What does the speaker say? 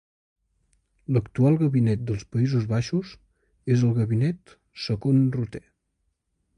L'actual gabinet dels Països Baixos és el gabinet Second Rutte.